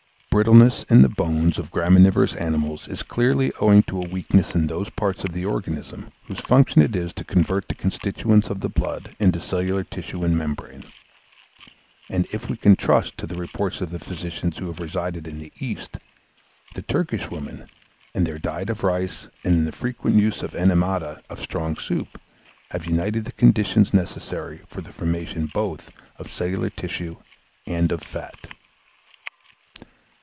Brittleness in the bones of graminivorous animals is clearly owing to a weakness in those parts of the organism whose function it is to convert the constituents of the blood into cellular tissue and membrane; and if we can trust to the reports of physicians who have resided in the East, the Turkish women, in their diet of rice, and in the frequent use of enemata of strong soup, have united the conditions necessary for the formation both of cellular tissue and of fat.